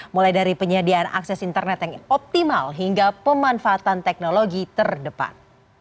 mulai dari penyediaan akses internet yang optimal hingga pemanfaatan teknologi terdepan